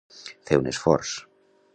Fer un esforç.